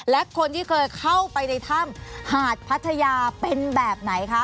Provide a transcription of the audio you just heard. และคนที่เคยเข้าไปในถ้ำหาดพัทยาเป็นแบบไหนคะ